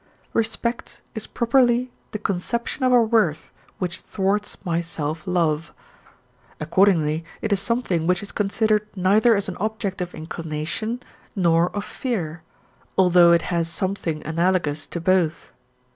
Respect is properly the conception of a worth which thwarts my self love. Accordingly it is something which is considered neither as an object of inclination nor of fear, although it has something analogous to both.